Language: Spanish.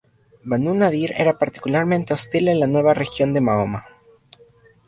Banu Nadir era particularmente hostil a la nueva religión de Mahoma.